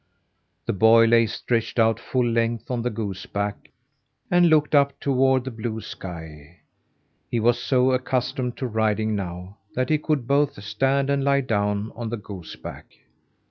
The boy lay stretched out full length on the goose back, and looked up toward the blue sky. He was so accustomed to riding now, that he could both stand and lie down on the goose back.